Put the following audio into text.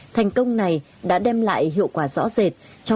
thành công này đã đem lại hiệu quả rõ rệt